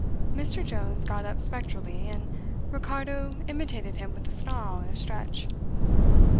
Mr Jones got up spectrally, and Ricardo imitated him with a snarl and a stretch.